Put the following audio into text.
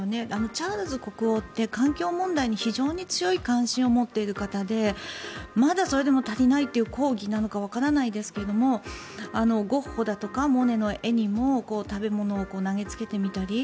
チャールズ国王って環境問題に非常に強い関心を持っている方でまだそれでも足りないという抗議なのかわかりませんがゴッホだとかモネの絵にも食べ物を投げつけてみたり。